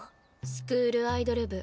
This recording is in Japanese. スクールアイドル部。